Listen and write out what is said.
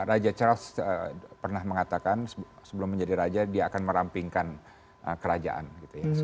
raja charles pernah mengatakan sebelum menjadi raja dia akan merampingkan kerajaan gitu ya